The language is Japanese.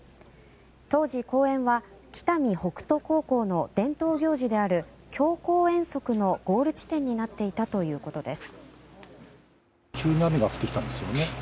当時、公園は北見北斗高校の伝統行事である強行遠足のゴール地点になっていたということです。